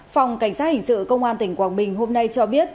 phòng cảnh sát hình sự công an tỉnh quảng bình hôm nay cho biết